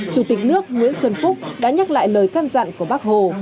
chủ tịch nước nguyễn xuân phúc đã nhắc lại lời can dặn của bác hồ